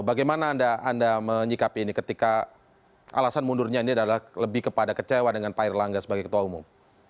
bagaimana anda menyikapi ini ketika alasan mundurnya ini adalah lebih kepada kecewa dengan pak erlangga sebagai ketua umum